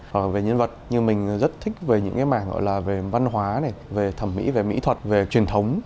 hoặc về nhân vật nhưng mình rất thích về những cái mảng gọi là về văn hóa về thẩm mỹ về mỹ thuật về truyền thống